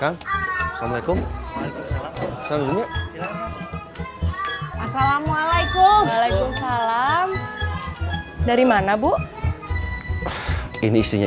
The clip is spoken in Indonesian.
kan assalamualaikum assalamualaikum assalamualaikum dari mana bu ini istrinya